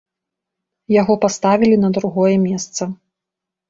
Яго паставілі на другое месца.